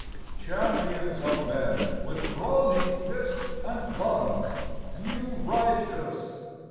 CHAMPIONS of men with brawny fist and lung, You righteous!